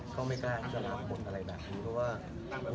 ก็ไม่กล้าจะรับผลอะไรแบบนี้